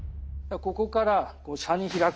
ここから車に開く。